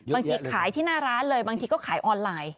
ขายที่หน้าร้านเลยบางทีก็ขายออนไลน์